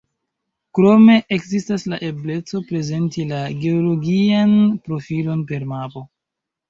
Krome ekzistas la ebleco prezenti la geologian profilon per mapo.